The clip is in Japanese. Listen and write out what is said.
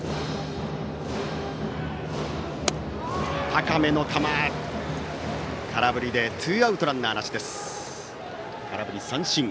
高めの球、空振りでツーアウトランナーなしです。